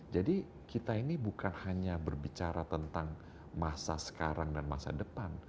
jadi kita ini bukan hanya berbicara tentang masa sekarang dan masa depan